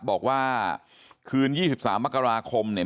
บอกว่าคืน๒๓มกราคมเนี่ย